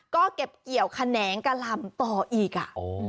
ก็เก็บเกี่ยวแขนงกะลำต่ออีก